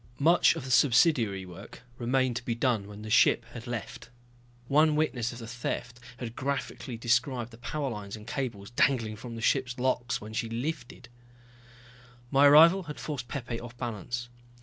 Much of the subsidiary work remained to be done when the ship had left. One witness of the theft had graphically described the power lines and cables dangling from the ship's locks when she lifted. My arrival had forced Pepe off balance.